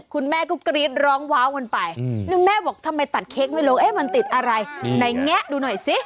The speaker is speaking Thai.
คุณแม่ก็กรี๊ดร้องว้าวกันไปแม่บอกทำไมตัดเค้กไม่ลงเอ๊ะมันติดอะไรไหนแงะดูหน่อยสิ